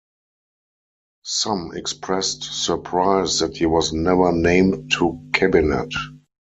Some expressed surprise that he was never named to cabinet.